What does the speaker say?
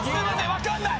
分かんない！